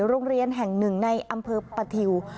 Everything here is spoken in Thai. โรงเรียนแห่งหนึ่งในอำเภอปะทิว